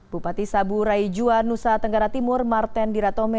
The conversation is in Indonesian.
bupati sabu raijua nusa tenggara timur martendiratome